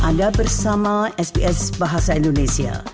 anda bersama sbs bahasa indonesia